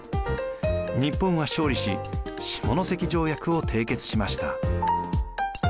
日本は勝利し下関条約を締結しました。